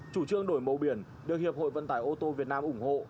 chủ trương đổi màu biển được hiệp hội vận tải ô tô việt nam ủng hộ